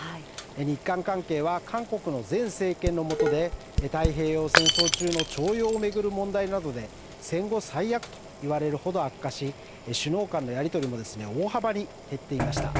日韓関係は韓国の前政権の下で、太平洋戦争中の徴用を巡る問題などで、戦後最悪と言われるほど悪化し、首脳間のやり取りも大幅に減っていました。